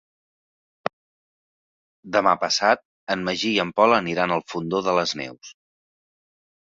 Demà passat en Magí i en Pol aniran al Fondó de les Neus.